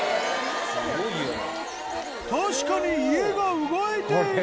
確かに家が動いている！